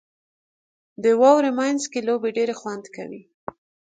• د واورې مینځ کې لوبې ډېرې خوند کوي.